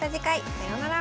さようなら。